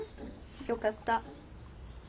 よかった。